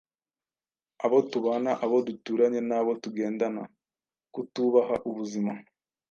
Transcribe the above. abo tubana, abo duturanye n’abo tugendana. Kutubaha ubuzima,